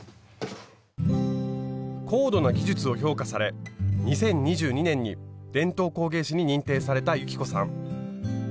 高度な技術を評価され２０２２年に伝統工芸士に認定された雪子さん。